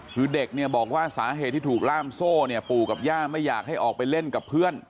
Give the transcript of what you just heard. คือเด็กเนี่ยบอกว่าสาเหตุที่ถูกล่ามโซ่เนี่ยปู่กับย่าไม่อยากให้ออกไปเล่นกับเพื่อน